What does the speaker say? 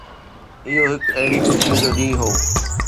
اهو هڪ اهڙي خوشي جو ڏينهن هو.